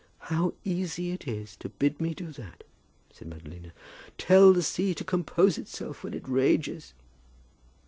"How easy it is to bid me do that," said Madalina. "Tell the sea to compose itself when it rages!"